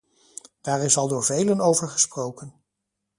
Daar is al door velen over gesproken.